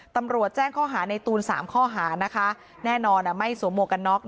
ตำรวจแจ้งข้อหาในตูน๓ข้อหานะคะแน่นอนไม่สวมหมวกกันน็อก